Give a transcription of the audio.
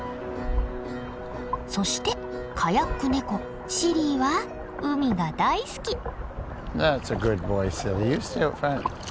そしてカヤックネコシリーは海が大好き。